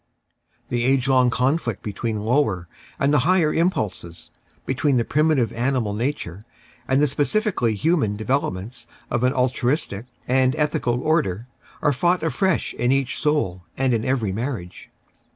The age long conflict between the " lower " and the " higher " impulses, between the primitive animal nature and the specifically human developments of an altruistic and ethical order, are fought afresh in each soul and in every marriage.